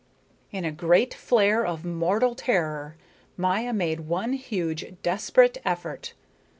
In a great flare of mortal terror Maya made one huge desperate effort.